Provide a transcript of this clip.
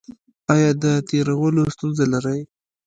ایا د تیرولو ستونزه لرئ؟